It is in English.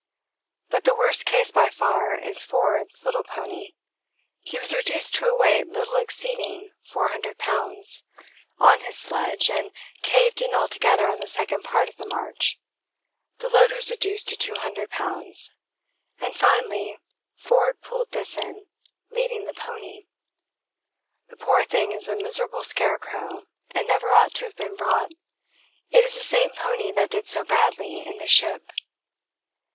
But the worst case by far is Forde's little pony; he was reduced to a weight little exceeding 400 lbs. on his sledge and caved in altogether on the second part of the march. The load was reduced to 200 lbs., and finally Forde pulled this in, leading the pony. The poor thing is a miserable scarecrow and never ought to have been brought it is the same pony that did so badly in the ship.